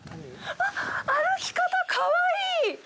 歩き方、かわいい！